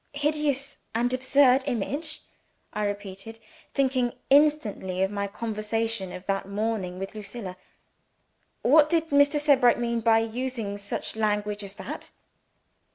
"Hideous and absurd image?" I repeated, thinking instantly of my conversation of that morning with Lucilla. "What did Mr. Sebright mean by using such language as that?"